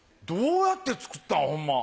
どうやって作ったん？